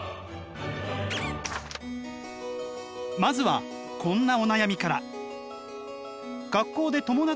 まずはこんなお悩みから。